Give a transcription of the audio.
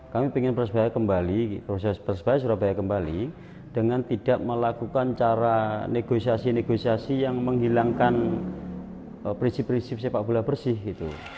kami ingin persebaya kembali proses persebaya surabaya kembali dengan tidak melakukan cara negosiasi negosiasi yang menghilangkan prinsip prinsip sepak bola bersih gitu